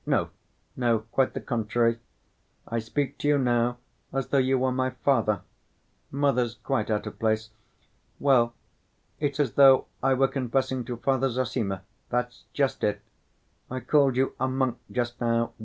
No, no; quite the contrary. I speak to you now as though you were my father—mother's quite out of place. Well, it's as though I were confessing to Father Zossima, that's just it. I called you a monk just now.